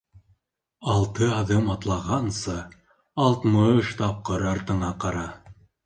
Алты аҙым атлағансы, алтмыш тапҡыр артыңа ҡара.